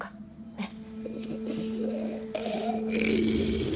ねっ。